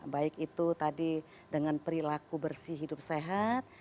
baik itu tadi dengan perilaku bersih hidup sehat